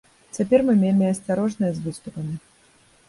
Цяпер мы вельмі асцярожныя з выступамі.